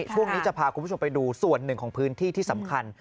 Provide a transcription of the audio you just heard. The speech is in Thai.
ช่วงนี้จะพาคุณผู้ชมไปดูส่วนหนึ่งของพื้นที่ที่สำคัญ